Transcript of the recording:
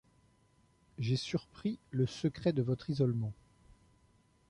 J’ai surpris le secret de votre isolement !